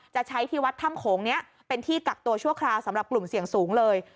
จะใช้ที่วัดถ้ำโขงนี้เป็นที่กักตัวชั่วคราวสำหรับกลุ่มเสี่ยงสูงเลย